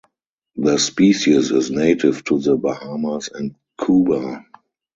The species is native to the Bahamas and Cuba.